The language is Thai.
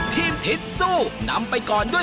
ทิศสู้นำไปก่อนด้วย